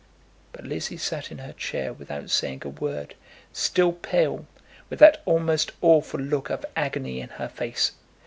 But Lizzie sat in her chair without saying a word, still pale, with that almost awful look of agony in her face.